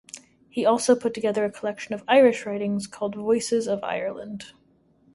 He also put together a collection of Irish writings, called 'Voices of Ireland'.